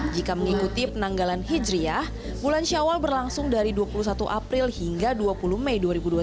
jika mengikuti penanggalan hijriah bulan syawal berlangsung dari dua puluh satu april hingga dua puluh mei dua ribu dua puluh